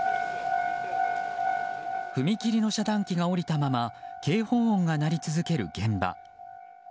踏切の遮断機が下りたまま警報音が鳴り続ける現場。